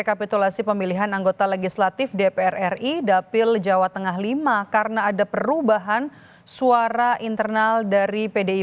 kalau listen persen anime kamali energies rawat mentions ulang do application